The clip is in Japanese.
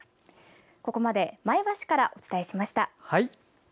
ここまで前橋からお伝えしました。